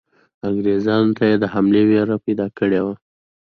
انګریزانو ته یې د حملې وېره پیدا کړې وه.